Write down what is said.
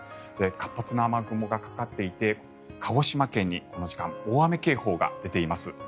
活発な雨雲がかかっていて鹿児島県にこの時間大雨警報が出ています。